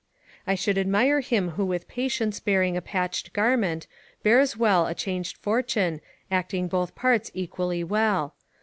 ["I should admire him who with patience bearing a patched garment, bears well a changed fortune, acting both parts equally well."